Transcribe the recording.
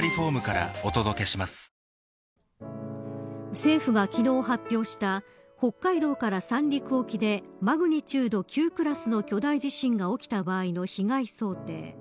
政府が昨日発表した北海道から三陸沖でマグニチュード９クラスの巨大地震が起きた場合の被害想定。